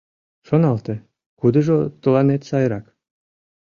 Шоналте, кудыжо тыланет сайрак?